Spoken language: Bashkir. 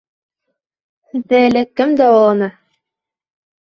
Һеҙҙе элек кем дауаланы?